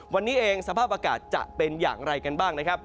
วันนี้เองสภาพอากาศจะเป็นอย่างไรกันบ้างนะครับ